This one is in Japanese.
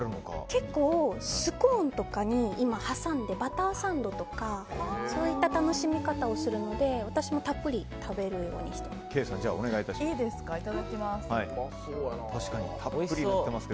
結構、スコーンとかに今、挟んでバターサンドとかそういった楽しみ方をするので私もたっぷりケイさん、お願いします。